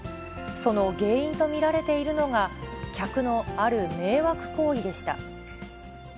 その原因と見られているのが、客のある迷惑行為でした。